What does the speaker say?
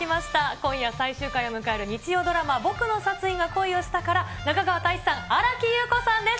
今夜最終回を迎える、日曜ドラマ、ボクの殺意が恋をしたから、中川大志さん、新木優子さんです。